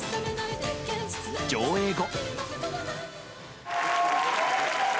上映後。